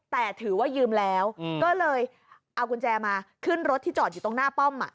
แต่ถือว่ายืมแล้วก็เลยเอากุญแจมาขึ้นรถที่จอดอยู่ตรงหน้าป้อม